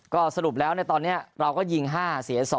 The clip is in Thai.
ก็สรุปแล้วในตอนนี้เราก็ยิง๕เสีย๒